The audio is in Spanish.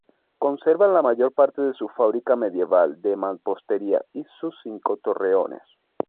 Conserva la mayor parte de su fábrica medieval de mampostería y sus cinco torreones.